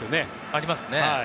ありますね。